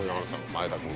前田君。